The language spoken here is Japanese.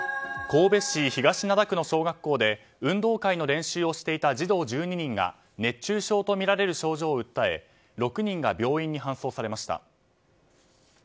神戸市東灘区の小学校で運動会の練習をしていた児童１２人が熱中症とみられる症状を訴え６人が病院に搬送されました。